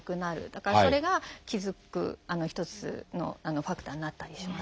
だからそれが気付く一つのファクターになったりしますね。